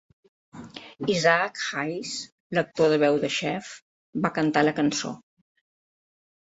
Isaac Hayes, l'actor de veu de Xef, va cantar la cançó.